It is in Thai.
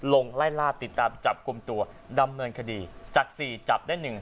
ไล่ล่าติดตามจับกลุ่มตัวดำเนินคดีจากสี่จับได้๑